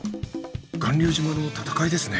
巌流島の戦いですね。